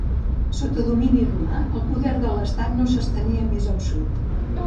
Sota domini romà el poder de l'estat no s'estenia més al sud.